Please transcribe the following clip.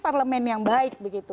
parlemen yang baik